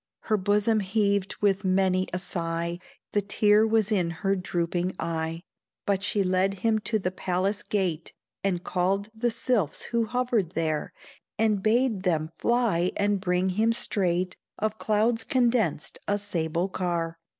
Her bosom heaved with many a sigh, The tear was in her drooping eye; But she led him to the palace gate, And called the sylphs who hovered there, And bade them fly and bring him straight Of clouds condensed a sable car.